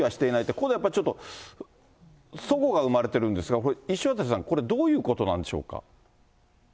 ここでやっぱりちょっとそごが生まれてるんですが、これ石渡さん、これ、どういうことなんでしょうか。